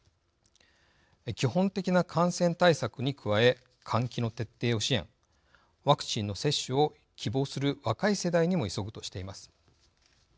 基本的な感染対策に加え換気の徹底を支援ワクチンの接種を希望する若い世代にも急ぐとしています。